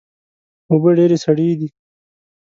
اوبه ډیرې سړې دي